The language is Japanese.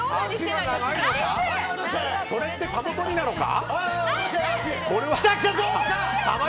それってかご取りなのか。